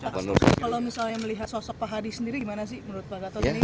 kalau misalnya melihat sosok pak hadi sendiri gimana sih menurut pak gatot ini